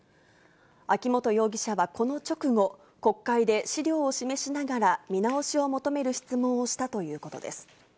秋本容疑者はこの直後、国会で資料を示しながら、見直しを求める質問をしたということです。